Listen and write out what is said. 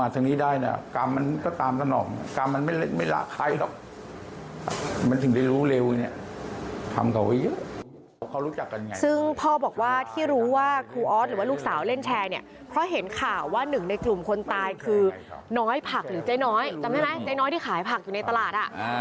ซึ่งพ่อบอกว่าที่รู้ว่าครูออสหรือว่าลูกสาวเล่นแชร์เนี่ยเพราะเห็นข่าวว่าหนึ่งในกลุ่มคนตายคือน้อยผักหรือเจ๊น้อยจำได้ไหมเจ๊น้อยที่ขายผักอยู่ในตลาด